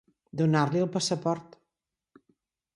Donar-li el passaport.